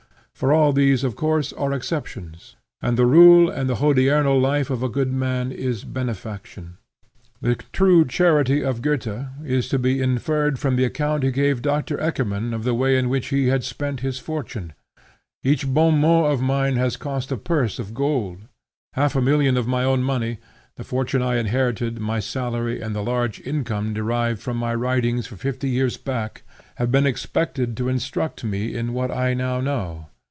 For all these of course are exceptions, and the rule and hodiernal life of a good man is benefaction. The true charity of Goethe is to be inferred from the account he gave Dr. Eckermann of the way in which he had spent his fortune. "Each bon mot of mine has cost a purse of gold. Half a million of my own money, the fortune I inherited, my salary and the large income derived from my writings for fifty years back, have been expended to instruct me in what I now know.